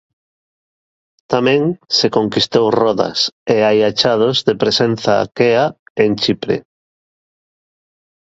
Tamén se conquistou Rodas e hai achados de presenza aquea en Chipre.